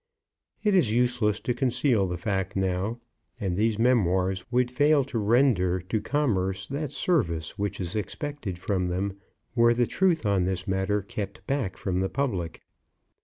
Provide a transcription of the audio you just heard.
It is useless to conceal the fact now, and these memoirs would fail to render to commerce that service which is expected from them, were the truth on this matter kept back from the public.